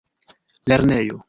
lernejo